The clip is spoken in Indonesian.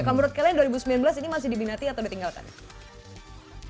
kalau menurut kalian dua ribu sembilan belas ini masih dibinati atau ditinggalkan